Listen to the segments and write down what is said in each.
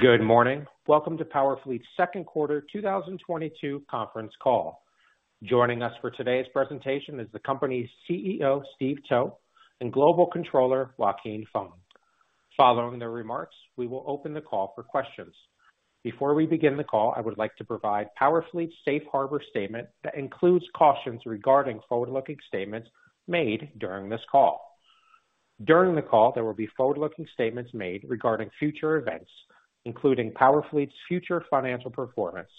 Good morning. Welcome to PowerFleet's Second Quarter 2022 Conference Call. Joining us for today's presentation is the company's CEO, Steve Towe, and Global Controller, Joaquin Fong. Following their remarks, we will open the call for questions. Before we begin the call, I would like to provide PowerFleet's safe harbor statement that includes cautions regarding forward-looking statements made during this call. During the call, there will be forward-looking statements made regarding future events, including PowerFleet's future financial performance.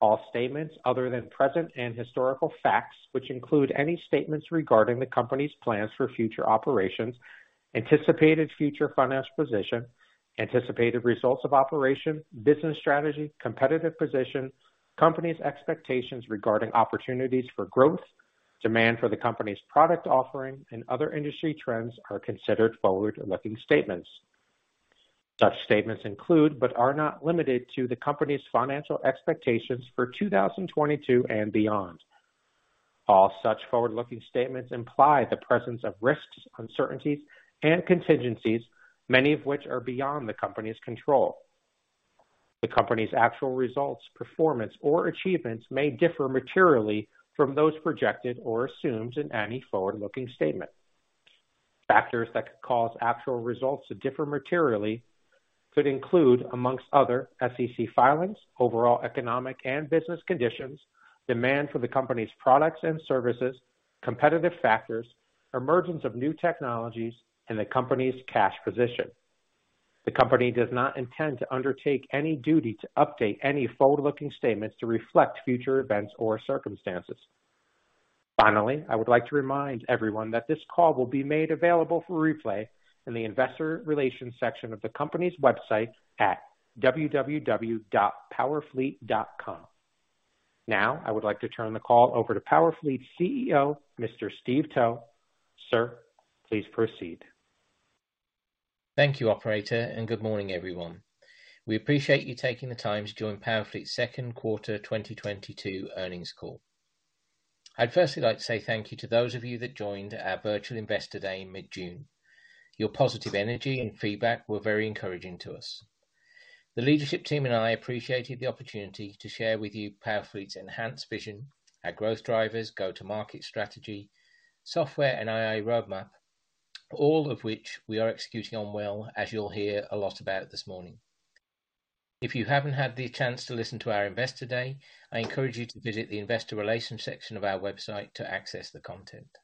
All statements other than present and historical facts, which include any statements regarding the company's plans for future operations, anticipated future financial position, anticipated results of operations, business strategy, competitive position, the company's expectations regarding opportunities for growth, demand for the company's product offering, and other industry trends are considered forward-looking statements. Such statements include, but are not limited to, the company's financial expectations for 2022 and beyond. All such forward-looking statements imply the presence of risks, uncertainties, and contingencies, many of which are beyond the company's control. The company's actual results, performance, or achievements may differ materially from those projected or assumed in any forward-looking statement. Factors that could cause actual results to differ materially could include, among other, SEC filings, overall economic and business conditions, demand for the company's products and services, competitive factors, emergence of new technologies, and the company's cash position. The company does not intend to undertake any duty to update any forward-looking statements to reflect future events or circumstances. Finally, I would like to remind everyone that this call will be made available for replay in the investor relations section of the company's website at www.powerfleet.com. Now, I would like to turn the call over to PowerFleet's CEO, Mr. Steve Towe. Sir, please proceed. Thank you, operator, and good morning, everyone. We appreciate you taking the time to join PowerFleet's Second Quarter 2022 Earnings Call. I'd firstly like to say thank you to those of you that joined our Virtual Investor Day in mid-June. Your positive energy and feedback were very encouraging to us. The leadership team and I appreciated the opportunity to share with you PowerFleet's enhanced vision, our growth drivers, go-to-market strategy, software and AI roadmap, all of which we are executing on well, as you'll hear a lot about this morning. If you haven't had the chance to listen to our Investor Day, I encourage you to visit the Investor Relations section of our website to access the content.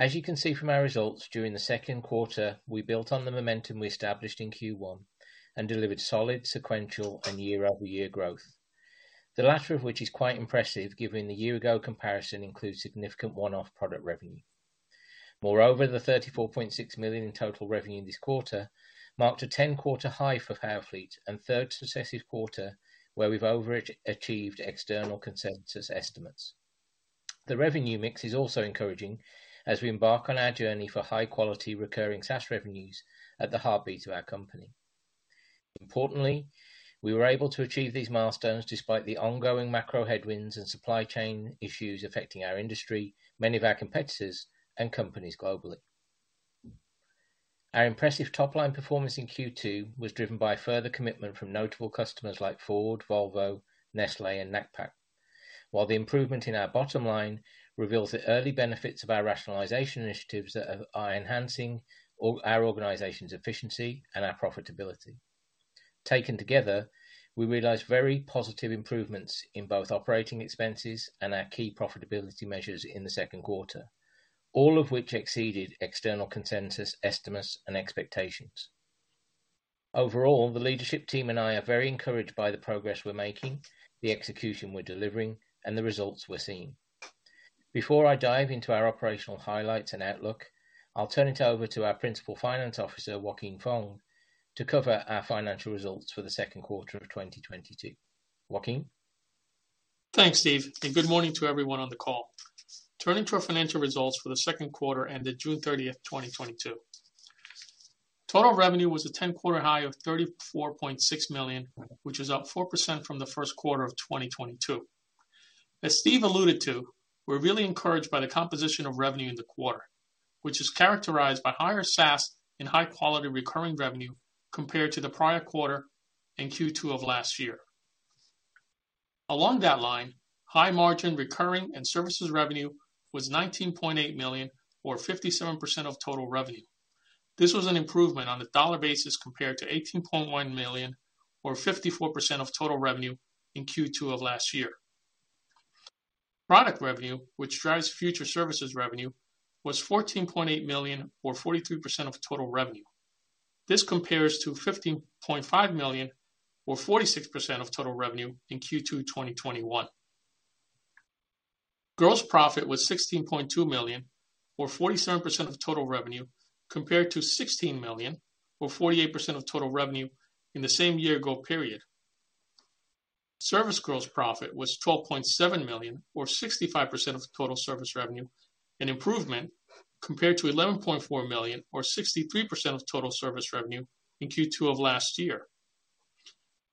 As you can see from our results, during the second quarter, we built on the momentum we established in Q1 and delivered solid sequential and year-over-year growth. The latter of which is quite impressive given the year-ago comparison includes significant one-off product revenue. Moreover, the $34.6 million in total revenue this quarter marked a 10-quarter high for PowerFleet and third successive quarter where we've overachieved external consensus estimates. The revenue mix is also encouraging as we embark on our journey for high-quality recurring SaaS revenues at the heartbeat of our company. Importantly, we were able to achieve these milestones despite the ongoing macro headwinds and supply chain issues affecting our industry, many of our competitors, and companies globally. Our impressive top-line performance in Q2 was driven by further commitment from notable customers like Ford, Volvo, Nestlé, and NACPC. While the improvement in our bottom line reveals the early benefits of our rationalization initiatives that are enhancing our organization's efficiency and our profitability. Taken together, we realized very positive improvements in both operating expenses and our key profitability measures in the second quarter, all of which exceeded external consensus estimates and expectations. Overall, the leadership team and I are very encouraged by the progress we're making, the execution we're delivering, and the results we're seeing. Before I dive into our operational highlights and outlook, I'll turn it over to our Principal Finance Officer, Joaquin Fong, to cover our financial results for the second quarter of 2022. Joaquin? Thanks, Steve, and good morning to everyone on the call. Turning to our financial results for the second quarter ended June 30, 2022. Total revenue was a 10-quarter high of $34.6 million, which is up 4% from the first quarter of 2022. As Steve alluded to, we're really encouraged by the composition of revenue in the quarter, which is characterized by higher SaaS and high-quality recurring revenue compared to the prior quarter in Q2 of last year. Along that line, high-margin recurring and services revenue was $19.8 million or 57% of total revenue. This was an improvement on the dollar basis compared to $18.1 million or 54% of total revenue in Q2 of last year. Product revenue, which drives future services revenue, was $14.8 million or 43% of total revenue. This compares to $15.5 million or 46% of total revenue in Q2 2021. Gross profit was $16.2 million or 47% of total revenue, compared to $16 million or 48% of total revenue in the same year-ago period. Service gross profit was $12.7 million or 65% of total service revenue, an improvement compared to $11.4 million or 63% of total service revenue in Q2 of last year.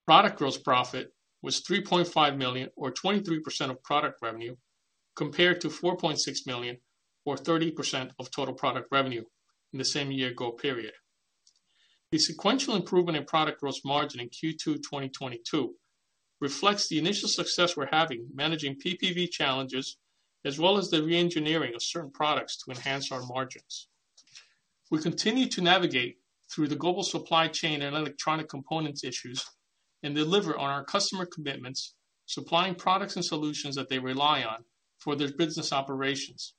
Product gross profit was $3.5 million or 23% of product revenue, compared to $4.6 million or 30% of total product revenue in the same year-ago period. The sequential improvement in product gross margin in Q2 2022 reflects the initial success we're having managing PPV challenges, as well as the re-engineering of certain products to enhance our margins. We continue to navigate through the global supply chain and electronic components issues and deliver on our customer commitments, supplying products and solutions that they rely on for their business operations.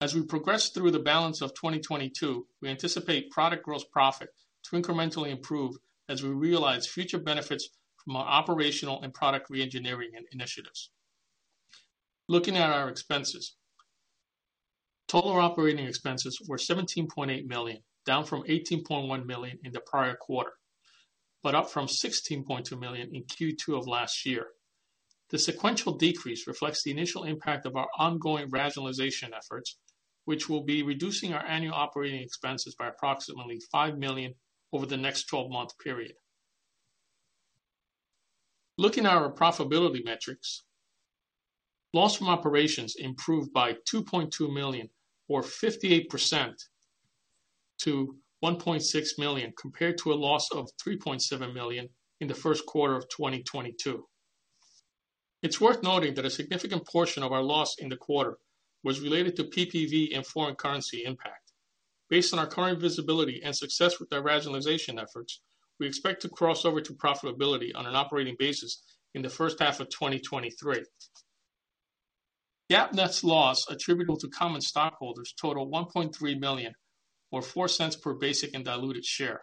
As we progress through the balance of 2022, we anticipate product gross profit to incrementally improve as we realize future benefits from our operational and product re-engineering initiatives. Looking at our expenses. Total operating expenses were $17.8 million, down from $18.1 million in the prior quarter, but up from $16.2 million in Q2 of last year. The sequential decrease reflects the initial impact of our ongoing rationalization efforts, which will be reducing our annual operating expenses by approximately $5 million over the next 12-month period. Looking at our profitability metrics. Loss from operations improved by $2.2 million, or 58% to $1.6 million, compared to a loss of $3.7 million in the first quarter of 2022. It's worth noting that a significant portion of our loss in the quarter was related to PPV and foreign currency impact. Based on our current visibility and success with our rationalization efforts, we expect to cross over to profitability on an operating basis in the first half of 2023. GAAP net loss attributable to common stockholders total $1.3 million or $0.04 per basic and diluted share.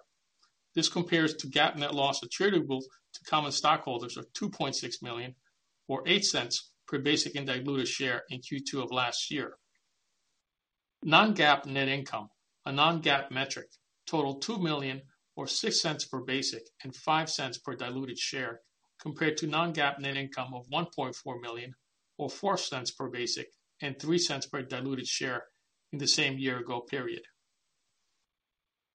This compares to GAAP net loss attributable to common stockholders of $2.6 million or $0.08 per basic and diluted share in Q2 of last year. Non-GAAP net income, a non-GAAP metric, totaled $2 million or $0.06 per basic and $0.05 per diluted share, compared to non-GAAP net income of $1.4 million or $0.04 per basic and $0.03 per diluted share in the same year-ago period.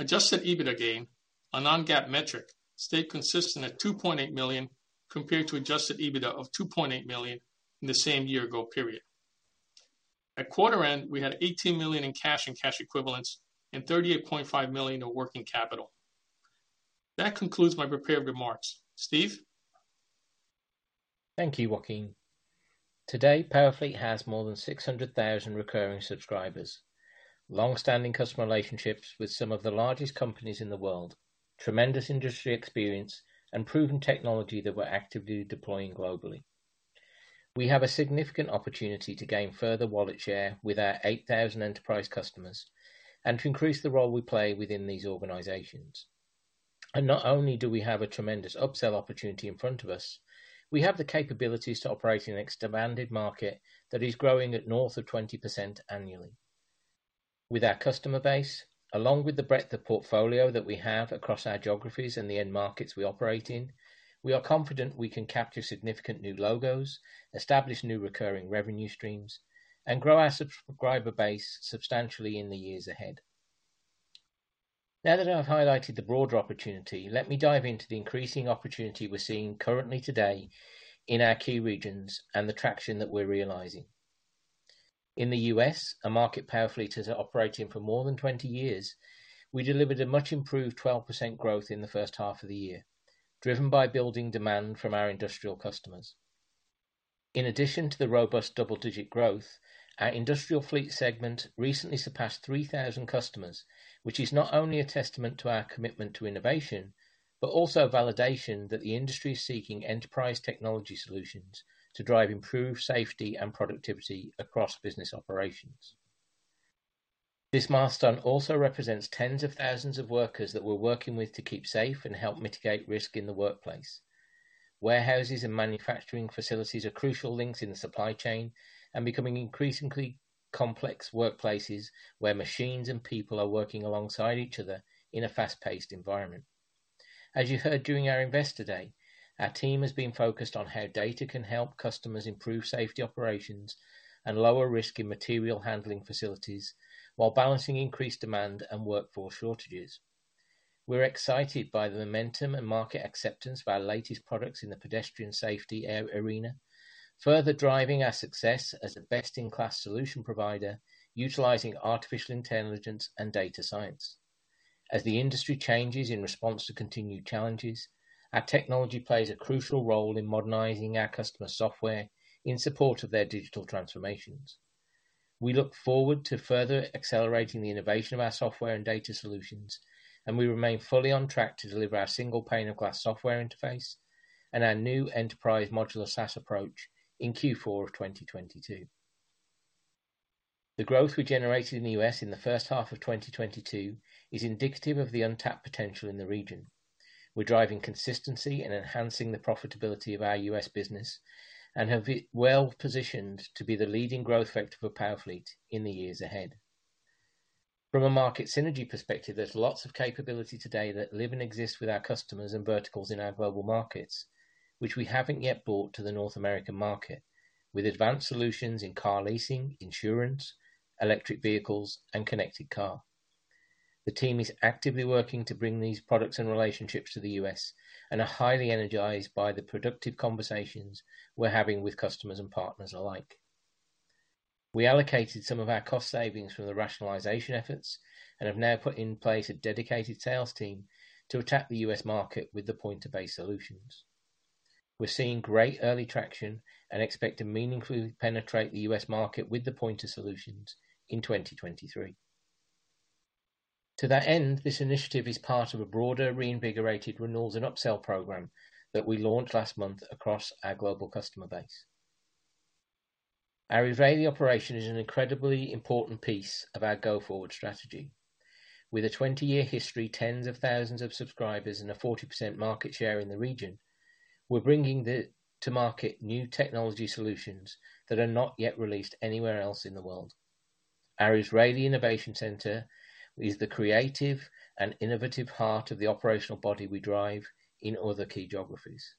Adjusted EBITDA, a non-GAAP metric, stayed consistent at $2.8 million compared to adjusted EBITDA of $2.8 million in the same year-ago period. At quarter end, we had $18 million in cash and cash equivalents and $38.5 million of working capital. That concludes my prepared remarks. Steve. Thank you, Joaquin. Today, PowerFleet has more than 600,000 recurring subscribers, long-standing customer relationships with some of the largest companies in the world, tremendous industry experience, and proven technology that we're actively deploying globally. We have a significant opportunity to gain further wallet share with our 8,000 enterprise customers and to increase the role we play within these organizations. Not only do we have a tremendous upsell opportunity in front of us, we have the capabilities to operate in an expanded market that is growing at north of 20% annually. With our customer base, along with the breadth of portfolio that we have across our geographies and the end markets we operate in, we are confident we can capture significant new logos, establish new recurring revenue streams, and grow our subscriber base substantially in the years ahead. Now that I've highlighted the broader opportunity, let me dive into the increasing opportunity we're seeing currently today in our key regions and the traction that we're realizing. In the U.S., a market PowerFleet has been operating for more than 20 years. We delivered a much improved 12% growth in the first half of the year, driven by building demand from our industrial customers. In addition to the robust double-digit growth, our industrial fleet segment recently surpassed 3,000 customers, which is not only a testament to our commitment to innovation, but also a validation that the industry is seeking enterprise technology solutions to drive improved safety and productivity across business operations. This milestone also represents tens of thousands of workers that we're working with to keep safe and help mitigate risk in the workplace. Warehouses and manufacturing facilities are crucial links in the supply chain and becoming increasingly complex workplaces where machines and people are working alongside each other in a fast-paced environment. As you heard during our Investor Day, our team has been focused on how data can help customers improve safety operations and lower risk in material handling facilities while balancing increased demand and workforce shortages. We're excited by the momentum and market acceptance of our latest products in the pedestrian safety arena, further driving our success as a best-in-class solution provider utilizing Artificial Intelligence and Data Science. As the industry changes in response to continued challenges, our technology plays a crucial role in modernizing our customer software in support of their digital transformations. We look forward to further accelerating the innovation of our software and data solutions, and we remain fully on track to deliver our single pane of glass software interface and our new enterprise modular SaaS approach in Q4 of 2022. The growth we generated in the U.S. in the first half of 2022 is indicative of the untapped potential in the region. We're driving consistency in enhancing the profitability of our U.S. business and have it well positioned to be the leading growth vector for PowerFleet in the years ahead. From a market synergy perspective, there's lots of capability today that live and exist with our customers and verticals in our global markets, which we haven't yet brought to the North American market with advanced solutions in car leasing, insurance, electric vehicles, and connected car. The team is actively working to bring these products and relationships to the U.S. and are highly energized by the productive conversations we're having with customers and partners alike. We allocated some of our cost savings from the rationalization efforts and have now put in place a dedicated sales team to attack the U.S. market with the Pointer-based solutions. We're seeing great early traction and expect to meaningfully penetrate the U.S. market with the Pointer solutions in 2023. To that end, this initiative is part of a broader reinvigorated renewals and upsell program that we launched last month across our global customer base. Our Israeli operation is an incredibly important piece of our go-forward strategy. With a 20-year history, tens of thousands of subscribers, and a 40% market share in the region, we're bringing to market new technology solutions that are not yet released anywhere else in the world. Our Israeli Innovation Center is the creative and innovative heart of the operational body we drive in other key geographies.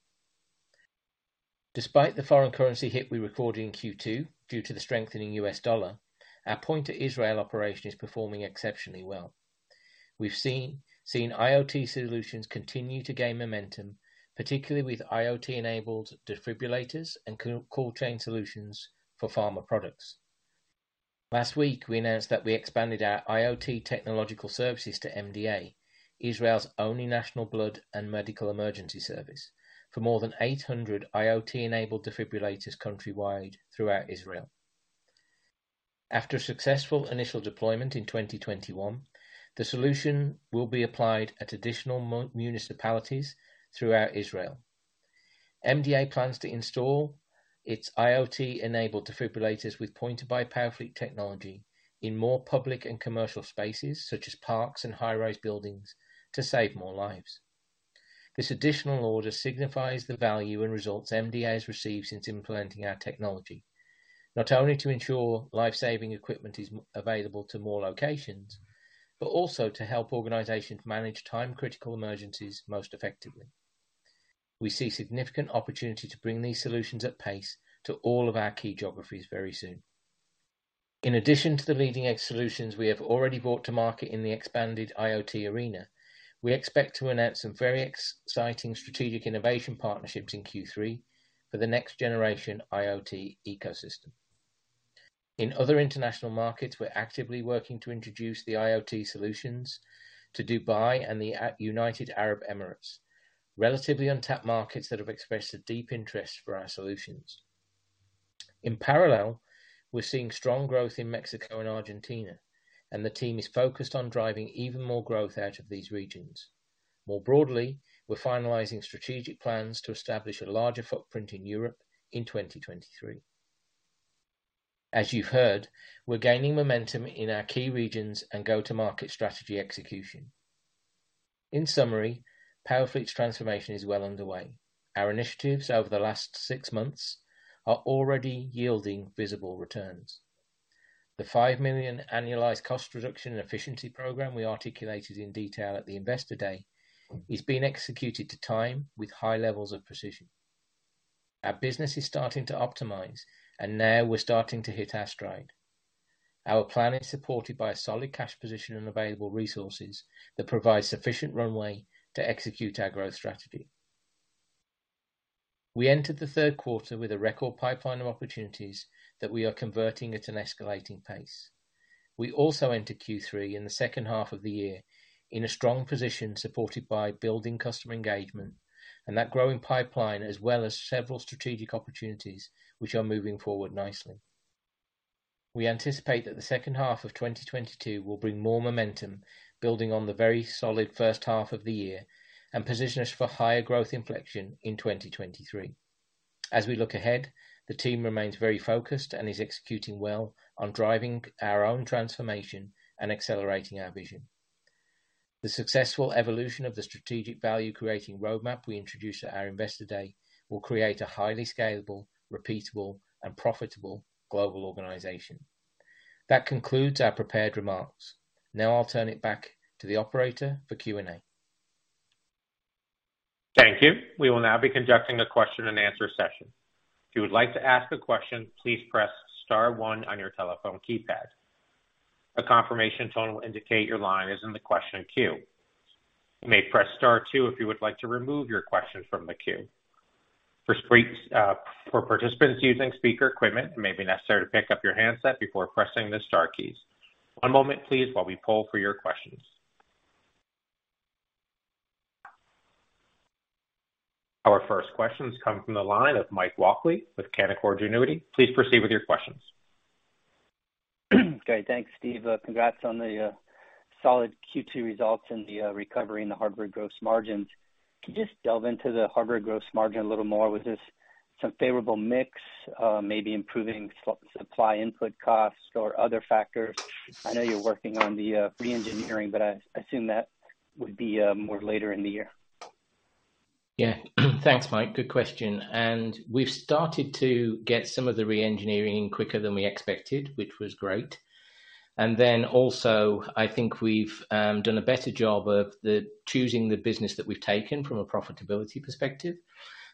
Despite the foreign currency hit we recorded in Q2 due to the strengthening U.S. dollar, our Pointer Israel operation is performing exceptionally well. We've seen IoT solutions continue to gain momentum, particularly with IoT-enabled defibrillators and cold chain solutions for pharma products. Last week, we announced that we expanded our IoT technological services to MDA, Israel's only national blood and medical emergency service, for more than 800 IoT-enabled defibrillators countrywide throughout Israel. After a successful initial deployment in 2021, the solution will be applied at additional municipalities throughout Israel. MDA plans to install its IoT-enabled defibrillators with Pointer by PowerFleet technology in more public and commercial spaces, such as parks and high-rise buildings, to save more lives. This additional order signifies the value and results MDA has received since implementing our technology, not only to ensure life-saving equipment is available to more locations, but also to help organizations manage time-critical emergencies most effectively. We see significant opportunity to bring these solutions at pace to all of our key geographies very soon. In addition to the leading-edge solutions we have already brought to market in the expanded IoT arena, we expect to announce some very exciting strategic innovation partnerships in Q3 for the next generation IoT ecosystem. In other international markets, we're actively working to introduce the IoT solutions to Dubai and the United Arab Emirates, relatively untapped markets that have expressed a deep interest for our solutions. In parallel, we're seeing strong growth in Mexico and Argentina, and the team is focused on driving even more growth out of these regions. More broadly, we're finalizing strategic plans to establish a larger footprint in Europe in 2023. As you've heard, we're gaining momentum in our key regions and go-to-market strategy execution. In summary, PowerFleet's transformation is well underway. Our initiatives over the last six months are already yielding visible returns. The $5 million annualized cost reduction and efficiency program we articulated in detail at the Investor Day is being executed to time with high levels of precision. Our business is starting to optimize, and now we're starting to hit our stride. Our plan is supported by a solid cash position and available resources that provide sufficient runway to execute our growth strategy. We entered the third quarter with a record pipeline of opportunities that we are converting at an escalating pace. We also entered Q3 in the second half of the year in a strong position, supported by building customer engagement and that growing pipeline, as well as several strategic opportunities which are moving forward nicely. We anticipate that the second half of 2022 will bring more momentum, building on the very solid first half of the year, and position us for higher growth inflection in 2023. As we look ahead, the team remains very focused and is executing well on driving our own transformation and accelerating our vision. The successful evolution of the strategic value-creating roadmap we introduced at our Investor Day will create a highly scalable, repeatable, and profitable global organization. That concludes our prepared remarks. Now I'll turn it back to the operator for Q&A. Thank you. We will now be conducting a question-and-answer session. If you would like to ask a question, please press star one on your telephone keypad. A confirmation tone will indicate your line is in the question queue. You may press star two if you would like to remove your question from the queue. For participants using speaker equipment, it may be necessary to pick up your handset before pressing the star keys. One moment, please, while we poll for your questions. Our first question comes from the line of Mike Walkley with Canaccord Genuity. Please proceed with your questions. Great. Thanks, Steve. Congrats on the solid Q2 results and the recovery in the hardware gross margins. Can you just delve into the hardware gross margin a little more? Was this some favorable mix, maybe improving supply input costs or other factors? I know you're working on the re-engineering, but I assume that would be more later in the year. Yeah. Thanks, Mike. Good question. We've started to get some of the re-engineering in quicker than we expected, which was great. Then also I think we've done a better job of choosing the business that we've taken from a profitability perspective.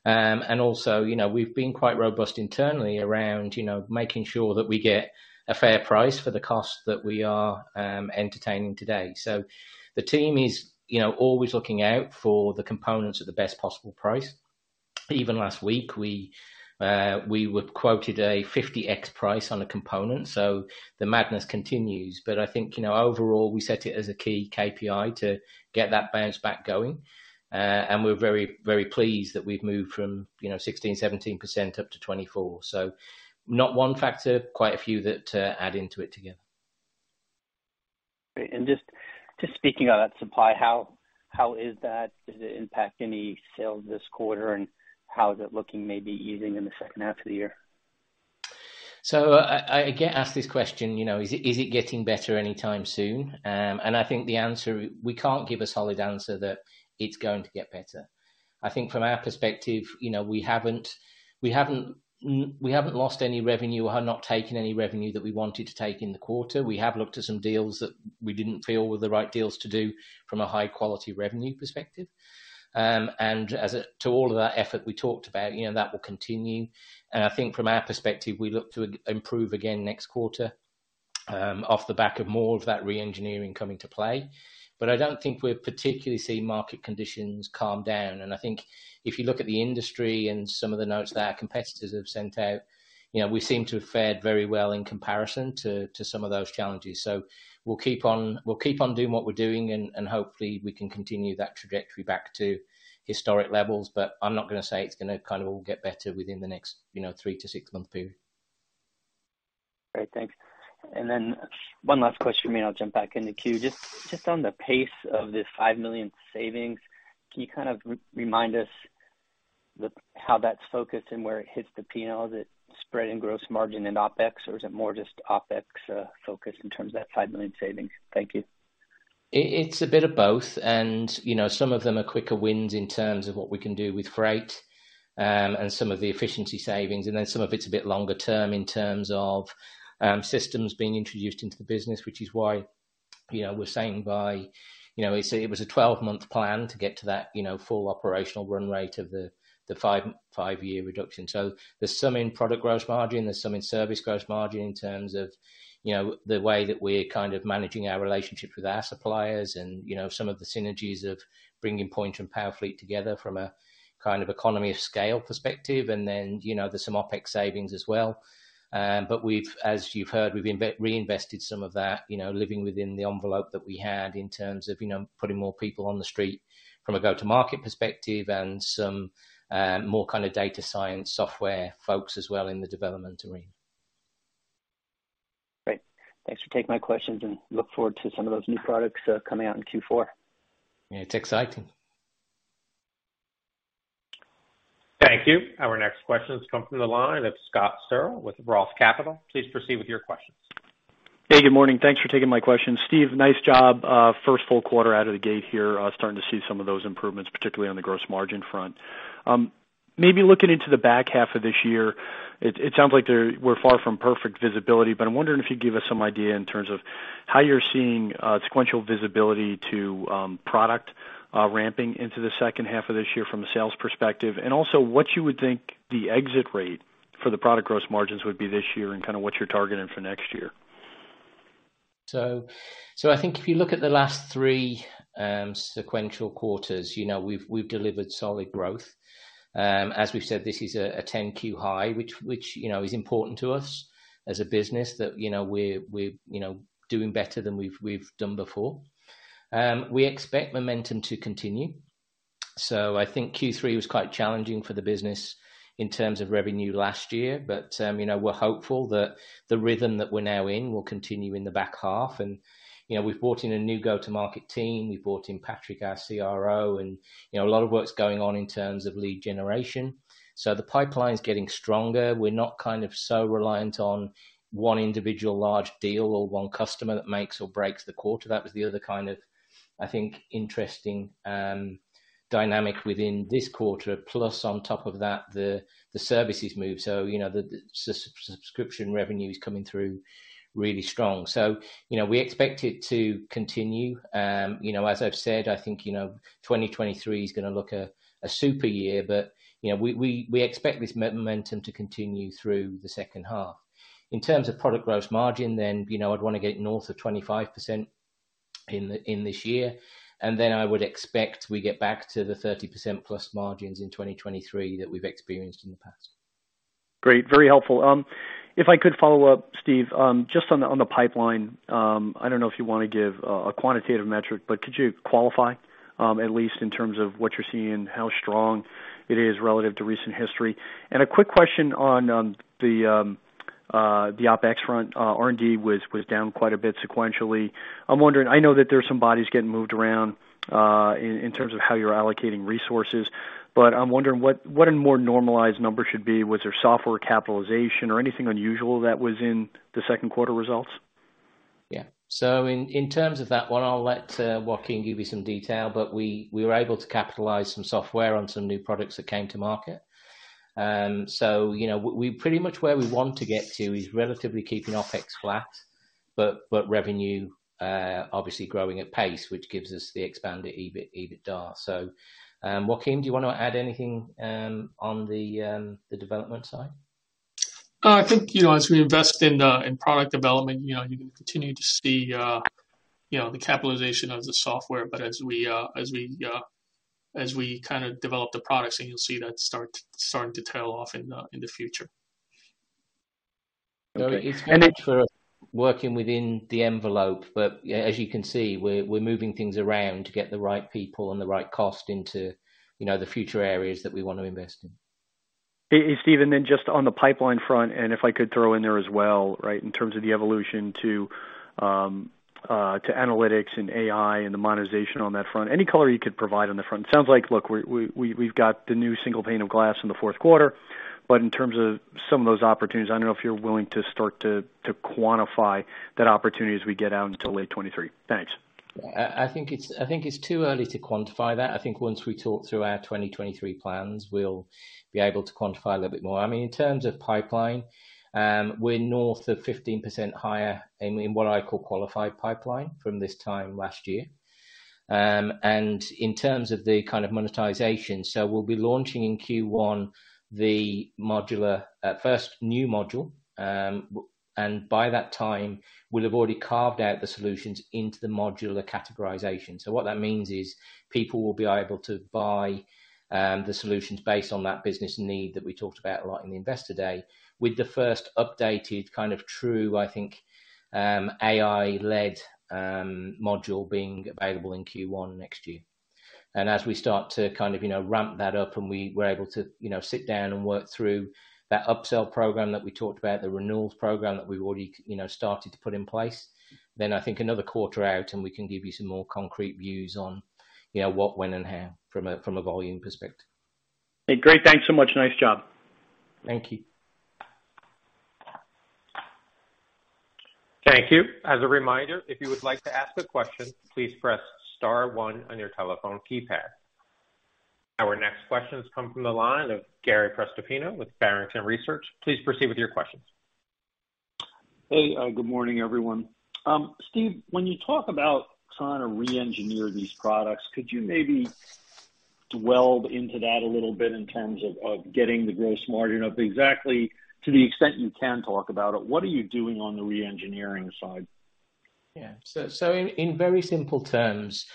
And also, you know, we've been quite robust internally around, you know, making sure that we get a fair price for the costs that we are entertaining today. The team is, you know, always looking out for the components at the best possible price. Even last week we were quoted a 50x price on a component, so the madness continues. I think, you know, overall we set it as a key KPI to get that bounce back going. We're very, very pleased that we've moved from, you know, 16%-17% up to 24%. Not one factor, quite a few that add into it together. Great. Just speaking on that supply, how is that? Does it impact any sales this quarter? How is it looking maybe easing in the second half of the year? I again ask this question, you know, is it getting better anytime soon? I think the answer, we can't give a solid answer that it's going to get better. I think from our perspective, you know, we haven't lost any revenue or have not taken any revenue that we wanted to take in the quarter. We have looked at some deals that we didn't feel were the right deals to do from a high-quality revenue perspective. As to all of that effort we talked about, you know, that will continue. I think from our perspective, we look to improve again next quarter, off the back of more of that re-engineering coming to play. I don't think we're particularly seeing market conditions calm down. I think if you look at the industry and some of the notes that our competitors have sent out, you know, we seem to have fared very well in comparison to some of those challenges. We'll keep on doing what we're doing, and hopefully we can continue that trajectory back to historic levels. I'm not gonna say it's gonna kind of all get better within the next, you know, three- to six-month period. Great. Thanks. Then one last question, maybe I'll jump back in the queue. Just on the pace of this $5 million savings, can you kind of remind us how that's focused and where it hits the P&L? Is it spread and gross margin and OpEx, or is it more just OpEx focused in terms of that $5 million savings? Thank you. It's a bit of both. You know, some of them are quicker wins in terms of what we can do with freight and some of the efficiency savings. Some of it's a bit longer term in terms of systems being introduced into the business, which is why, you know, we're saying it was a 12-month plan to get to that, you know, full operational run rate of the 5-year reduction. There's some in product gross margin, there's some in service gross margin in terms of, you know, the way that we're kind of managing our relationships with our suppliers and, you know, some of the synergies of bringing Pointer and PowerFleet together from a kind of economy of scale perspective. You know, there's some OpEx savings as well. As you've heard, we've reinvested some of that, you know, living within the envelope that we had in terms of, you know, putting more people on the street from a go-to-market perspective and some more kind of data science software folks as well in the development arena. Great. Thanks for taking my questions, and look forward to some of those new products, coming out in Q4. Yeah, it's exciting. Thank you. Our next question is coming from the line of Scott Searle with Roth Capital Partners. Please proceed with your questions. Hey, good morning. Thanks for taking my question. Steve, nice job. First full quarter out of the gate here, starting to see some of those improvements, particularly on the gross margin front. Maybe looking into the back half of this year, it sounds like we're far from perfect visibility, but I'm wondering if you'd give us some idea in terms of how you're seeing sequential visibility to product ramping into the second half of this year from a sales perspective. Also what you would think the exit rate for the product gross margins would be this year, and kind of what you're targeting for next year. I think if you look at the last three sequential quarters, you know, we've delivered solid growth. As we've said, this is a 10-Q high which, you know, is important to us as a business that, you know, we're doing better than we've done before. We expect momentum to continue. I think Q3 was quite challenging for the business in terms of revenue last year. We're hopeful that the rhythm that we're now in will continue in the back half. You know, we've brought in a new go-to-market team. We've brought in Patrick, our CRO, and, you know, a lot of work's going on in terms of lead generation. The pipeline is getting stronger. We're not kind of so reliant on one individual large deal or one customer that makes or breaks the quarter. That was the other kind of, I think, interesting dynamic within this quarter. Plus on top of that, the services move. You know, the subscription revenue is coming through really strong. You know, we expect it to continue. You know, as I've said, I think, you know, 2023 is gonna look a super year. You know, we expect this momentum to continue through the second half. In terms of product gross margin, then, you know, I'd wanna get north of 25% in this year. Then I would expect we get back to the 30%+ margins in 2023 that we've experienced in the past. Great. Very helpful. If I could follow up, Steve, just on the pipeline. I don't know if you wanna give a quantitative metric, but could you qualify at least in terms of what you're seeing and how strong it is relative to recent history? A quick question on the OpEx front. R&D was down quite a bit sequentially. I'm wondering, I know that there's some bodies getting moved around in terms of how you're allocating resources, but I'm wondering what a more normalized number should be? Was there software capitalization or anything unusual that was in the second quarter results? Yeah. In terms of that one, I'll let Joaquin give you some detail, but we were able to capitalize some software on some new products that came to market. You know, we pretty much where we want to get to is relatively keeping OpEx flat, but revenue obviously growing at pace, which gives us the expanded EBITDA. Joaquin, do you wanna add anything on the development side? I think, you know, as we invest in product development, you know, you're gonna continue to see, you know, the capitalization of the software. But as we kinda develop the products, then you'll see that starting to tail off in the future. Okay. It's a challenge for us working within the envelope, but as you can see, we're moving things around to get the right people and the right cost into, you know, the future areas that we wanna invest in. Hey, Stephen, just on the pipeline front, and if I could throw in there as well, right? In terms of the evolution to analytics and AI and the monetization on that front. Any color you could provide on the front. Sounds like, look, we've got the new single pane of glass in the fourth quarter, but in terms of some of those opportunities, I don't know if you're willing to start to quantify that opportunity as we get out into late 2023. Thanks. Yeah. I think it's too early to quantify that. I think once we talk through our 2023 plans, we'll be able to quantify a little bit more. I mean, in terms of pipeline, we're north of 15% higher in what I call qualified pipeline from this time last year. And in terms of the kind of monetization, we'll be launching in Q1 the modular first new module. And by that time, we'll have already carved out the solutions into the modular categorization. What that means is people will be able to buy the solutions based on that business need that we talked about right in the Investor Day, with the first updated kind of true, I think, AI-led module being available in Q1 next year. As we start to kind of, you know, ramp that up and we were able to, you know, sit down and work through that upsell program that we talked about, the renewals program that we've already you know, started to put in place, then I think another quarter out, and we can give you some more concrete views on, you know, what, when and how from a volume perspective. Hey, great. Thanks so much. Nice job. Thank you. Thank you. As a reminder, if you would like to ask a question, please press star one on your telephone keypad. Our next question comes from the line of Gary Prestopino with Barrington Research. Please proceed with your questions. Hey, good morning, everyone. Steve, when you talk about trying to re-engineer these products, could you maybe dwell into that a little bit in terms of getting the gross margin up? Exactly to the extent you can talk about it, what are you doing on the re-engineering side? Yeah. In very simple terms,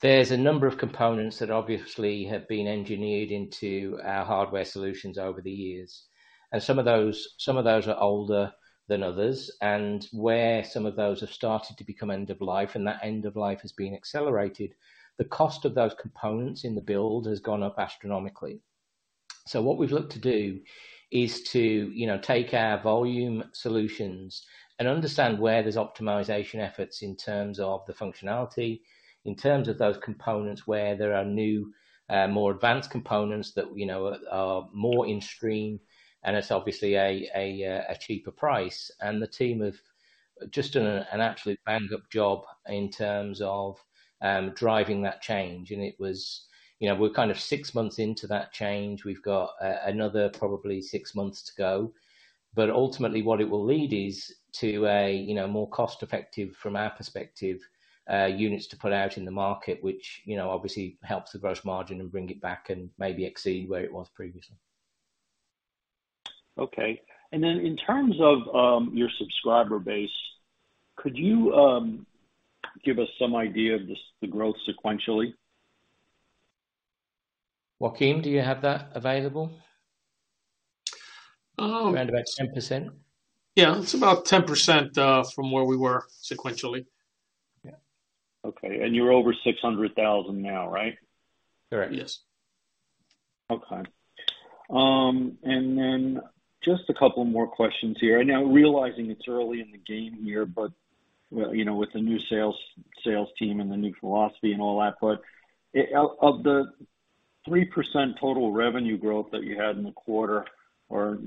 there's a number of components that obviously have been engineered into our hardware solutions over the years. Some of those are older than others. Where some of those have started to become end of life, and that end of life has been accelerated, the cost of those components in the build has gone up astronomically. What we've looked to do is to, you know, take our volume solutions and understand where there's optimization efforts in terms of the functionality, in terms of those components where there are new, more advanced components that, you know, are more mainstream, and it's obviously a cheaper price. The team have just done an absolute bang-up job in terms of driving that change. It was-- You know, we're kind of six months into that change. We've got another probably six months to go. Ultimately what it will lead is to a, you know, more cost effective from our perspective, units to put out in the market, which, you know, obviously helps the gross margin and bring it back and maybe exceed where it was previously. Okay. In terms of your subscriber base, could you give us some idea of the growth sequentially? Joaquin, do you have that available? Around about 10%. Yeah, it's about 10%, from where we were sequentially. Yeah. Okay. You're over 600,000 now, right? Correct. Yes. Okay. Just a couple more questions here. I know, realizing it's early in the game here, but, well, you know, with the new sales team and the new philosophy and all that, but of the 3% total revenue growth that you had in the quarter or,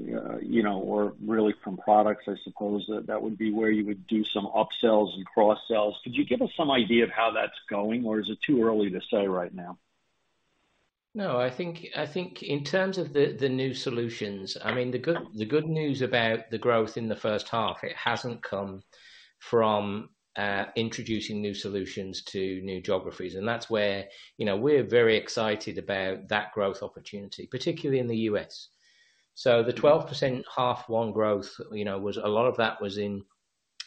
you know, or really from products I suppose that would be where you would do some upsells and cross sells. Could you give us some idea of how that's going, or is it too early to say right now? No. I think in terms of the new solutions, I mean, the good news about the growth in the first half, it hasn't come from introducing new solutions to new geographies. That's where, you know, we're very excited about that growth opportunity, particularly in the U.S. The 12% H1 growth, you know, was a lot of that was in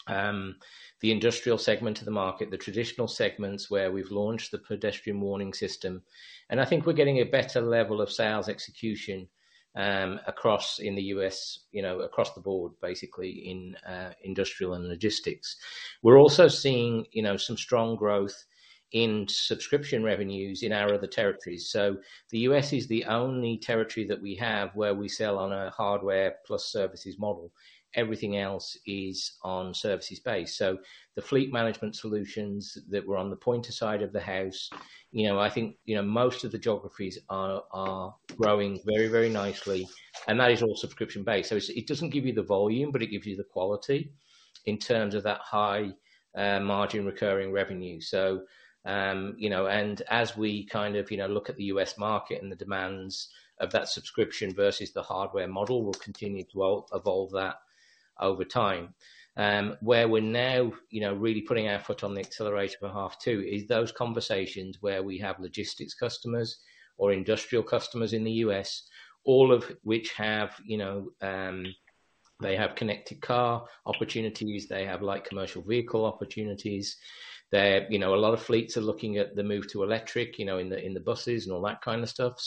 the Industrial segment of the market, the Traditional segments where we've launched the pedestrian warning system. I think we're getting a better level of sales execution across in the U.S., you know, across the board, basically in industrial and logistics. We're also seeing, you know, some strong growth in subscription revenues in our other territories. The U.S. is the only territory that we have where we sell on a hardware plus services model. Everything else is on services base. The fleet management solutions that were on the Pointer side of the house, you know, I think, you know, most of the geographies are growing very, very nicely, and that is all subscription-based. It doesn't give you the volume, but it gives you the quality in terms of that high-margin recurring revenue. You know, and as we kind of, you know, look at the U.S. market and the demands of that subscription versus the hardware model, we'll continue to evolve that over time. Where we're now, you know, really putting our foot on the accelerator for H2, is those conversations where we have logistics customers or industrial customers in the U.S., all of which have, you know, they have connected car opportunities, they have light commercial vehicle opportunities. They're, you know, a lot of fleets are looking at the move to electric, you know, in the buses and all that kind of stuff.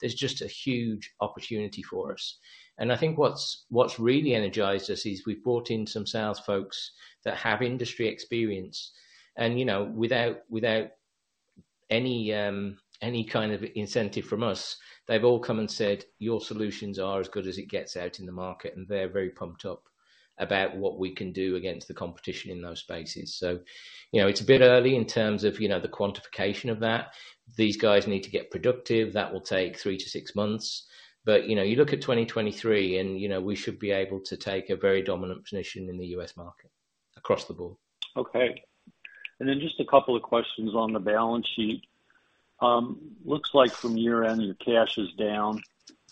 There's just a huge opportunity for us. I think what's really energized us is we've brought in some sales folks that have industry experience. You know, without any kind of incentive from us, they've all come and said, "Your solutions are as good as it gets out in the market." They're very pumped up about what we can do against the competition in those spaces. You know, it's a bit early in terms of, you know, the quantification of that. These guys need to get productive. That will take 3-6 months. You know, you look at 2023 and, you know, we should be able to take a very dominant position in the U.S. market across the board. Okay. Just a couple of questions on the balance sheet. Looks like from year-end, your cash is down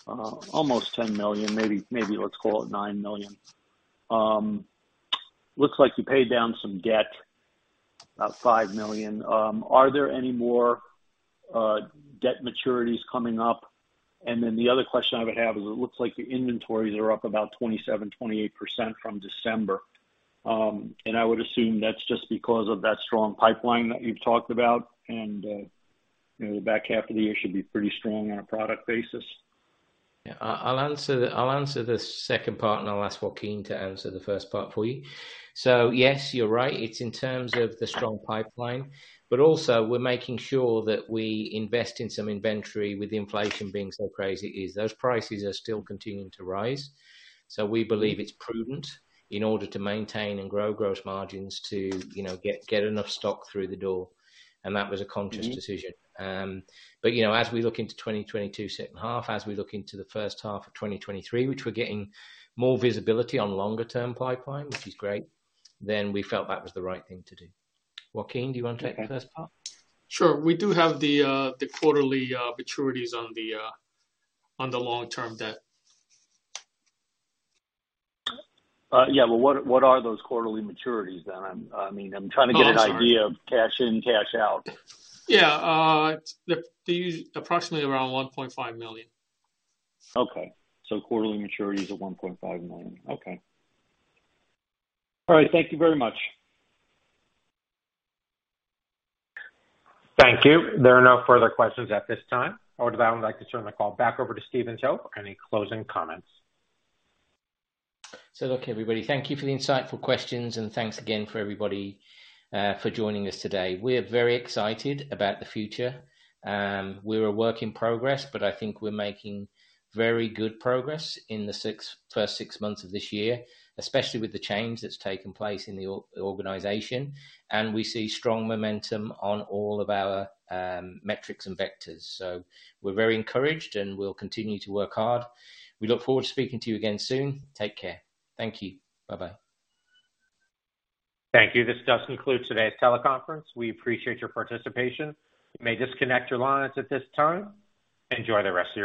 almost $10 million, maybe let's call it $9 million. Looks like you paid down some debt, about $5 million. Are there any more debt maturities coming up? The other question I would have is, it looks like your inventories are up about 27%-28% from December. I would assume that's just because of that strong pipeline that you've talked about, and you know, the back half of the year should be pretty strong on a product basis. Yeah. I'll answer the second part, and I'll ask Joaquin to answer the first part for you. Yes, you're right. It's in terms of the strong pipeline, but also we're making sure that we invest in some inventory with inflation being so crazy, as those prices are still continuing to rise. We believe it's prudent in order to maintain and grow gross margins to, you know, get enough stock through the door. That was a conscious decision. You know, as we look into 2022 second half, as we look into the first half of 2023, which we're getting more visibility on longer term pipeline, which is great, then we felt that was the right thing to do. Joaquin, do you wanna take the first part? Sure. We do have the quarterly maturities on the long-term debt. Yeah. What are those quarterly maturities then? I mean, I'm trying to get an idea. Oh, I'm sorry. of cash in, cash out. These approximately around $1.5 million. Okay. Quarterly maturity is at $1.5 million. Okay. All right. Thank you very much. Thank you. There are no further questions at this time. I would now like to turn the call back over to Steve Towe. Any closing comments? Look, everybody, thank you for the insightful questions, and thanks again for everybody for joining us today. We're very excited about the future. We're a work in progress, but I think we're making very good progress in the first six months of this year, especially with the change that's taken place in the organization, and we see strong momentum on all of our metrics and vectors. We're very encouraged, and we'll continue to work hard. We look forward to speaking to you again soon. Take care. Thank you. Bye-bye. Thank you. This does conclude today's teleconference. We appreciate your participation. You may disconnect your lines at this time. Enjoy the rest of your day.